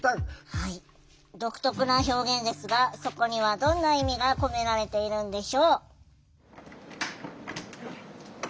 独特な表現ですがそこにはどんな意味が込められているんでしょう。